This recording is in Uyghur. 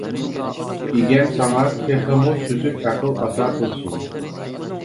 ئىگەم ساڭا تېخىمۇ سۈزۈك ئەقىل ئاتا قىلسۇن!